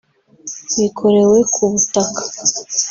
bikorewe ku butaka